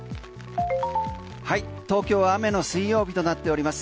東京は雨の水曜日となっております。